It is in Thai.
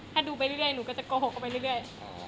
ถ้าดูไปเรื่อยเรื่อยหนูก็จะโกหกกว่าเรื่อยเรื่อย